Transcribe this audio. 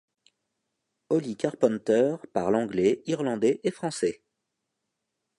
Holly Carpenter parle anglais, irlandais et français.